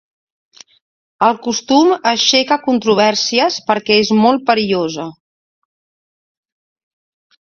El costum aixeca controvèrsies perquè és molt perillosa.